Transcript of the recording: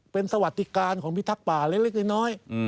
เป็นสวัสดิการของพิทักษ์ป่าเล็กน้อย